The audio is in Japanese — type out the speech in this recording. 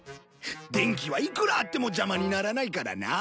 電気はいくらあっても邪魔にならないからな。